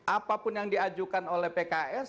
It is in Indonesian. apapun yang diajukan oleh pks